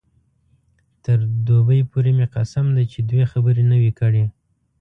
تر دوبۍ پورې مې قسم دی چې دوې خبرې نه وې کړې.